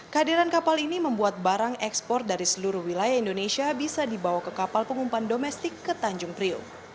kehadiran kapal ini membuat barang ekspor dari seluruh wilayah indonesia bisa dibawa ke kapal pengumpan domestik ke tanjung priok